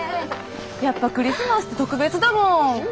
やっぱクリスマスって特別だもん。